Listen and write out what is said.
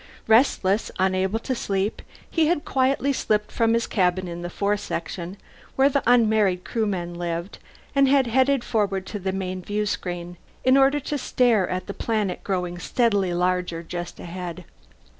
Restless, unable to sleep, he had quietly slipped from his cabin in the fore section, where the unmarried Crewmen lived, and had headed forward to the main viewscreen, in order to stare at the green planet growing steadily larger just ahead.